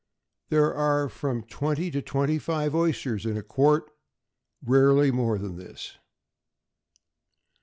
There are from twenty to twenty five oysters in a quart, rarely more than this.